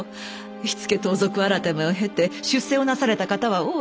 火付盗賊改を経て出世をなされた方は多い。